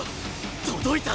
届いた！